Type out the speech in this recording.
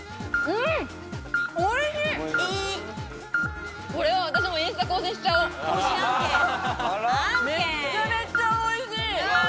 めっちゃめちゃおいしい！